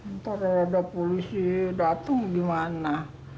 ntar ada polisi datang di mana